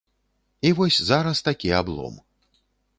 І вось зараз такі аблом.